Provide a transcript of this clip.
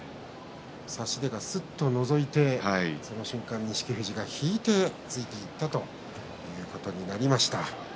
差し手がすっとのぞいてその瞬間、錦富士が引いて突いていったということになりました。